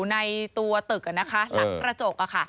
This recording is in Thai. ในตัวตึกนะคะหลังระจก